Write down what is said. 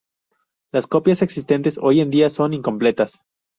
Las copias existentes hoy en día son incompletas.